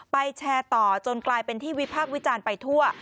ไปแชร์ต่อจนกลายเป็นทีวีภาพวิจารณ์ไปทั่ว